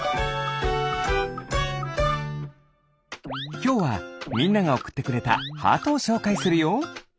きょうはみんながおくってくれたハートをしょうかいするよ。